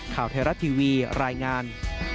ข่าวไทยรัฐทีวีรายงาน